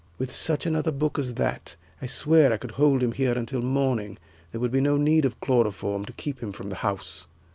With such another book as that, I swear I could hold him here until morning. There would be no need of chloroform to keep him from the House."